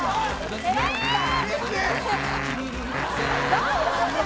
どういうこと？